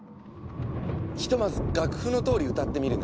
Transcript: ひとまず楽譜のとおり歌ってみるね。